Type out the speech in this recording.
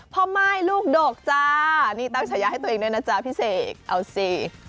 ม่ายลูกดกจ้านี่ตั้งฉายาให้ตัวเองด้วยนะจ๊ะพี่เสกเอาสิ